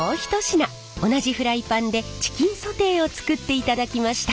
同じフライパンでチキンソテーを作っていただきました！